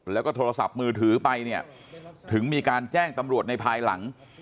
แล้วก็โทรศัพท์มือถือไปเนี่ยถึงมีการแจ้งตำรวจในภายหลัง